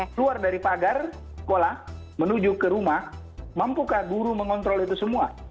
keluar dari pagar sekolah menuju ke rumah mampukah guru mengontrol itu semua